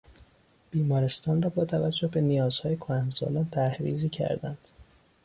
بیمارستان را با توجه به نیازهای کهنسالان طرح ریزی کردند.